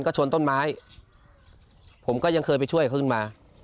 ก็ชนต้นไม้ผมก็ยังเคยไปช่วยเขาขึ้นมา